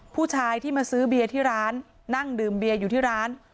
ผู้ชายที่มาซื้อเบียร์ที่ร้านนั่งดื่มเบียร์อยู่ที่ร้าน